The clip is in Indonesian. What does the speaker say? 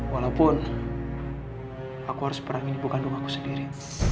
walaupun aku harus perangin ibu kandung aku sendiri